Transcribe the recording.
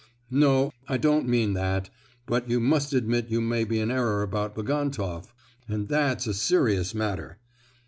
"No, I don't mean that; but you must admit you may be in error about Bagantoff; and that's a serious matter!"